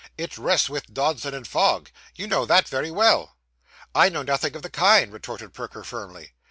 'It rests with Dodson and Fogg; you know that very well.' 'I know nothing of the kind,' retorted Perker firmly.